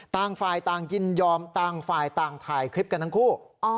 ต่างฝ่ายต่างยินยอมต่างฝ่ายต่างถ่ายคลิปกันทั้งคู่